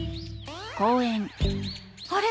あれ？